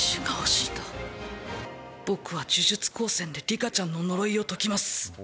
僕は呪術こうせんでりかちゃんの呪いをときます。